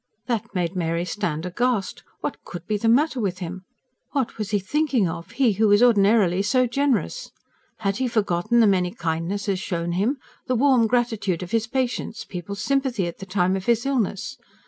that made Mary stand aghast. What could be the matter with him? What was he thinking of, he who was ordinarily so generous? Had he forgotten the many kindnesses shown him, the warm gratitude of his patients, people's sympathy, at the time of his illness?